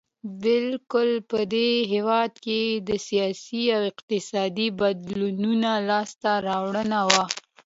بلکې په دې هېواد کې د سیاسي او اقتصادي بدلون لاسته راوړنه وه.